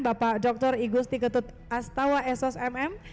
bapak dr igusti ketut astawa ssmm